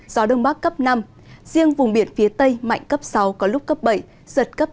gió đông bắc cấp năm riêng vùng biển phía tây mạnh cấp sáu có lúc cấp bảy giật cấp tám